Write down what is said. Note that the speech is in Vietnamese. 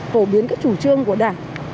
phổ biến các chủ trương của đảng